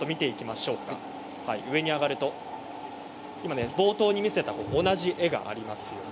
上に上がると冒頭に見せたのと同じ絵があります。